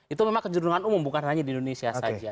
itu memang kejurungan umum bukan hanya di indonesia saja